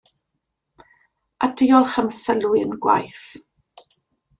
A diolch am y sylw i'n gwaith.